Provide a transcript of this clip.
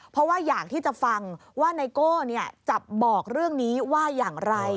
เพราะว่าอยากที่จะฟังว่าไนโก้จะบอกเรื่องนี้ว่าอย่างไร